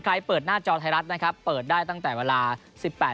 เปิดหน้าจอไทยรัฐนะครับเปิดได้ตั้งแต่เวลาสิบแปด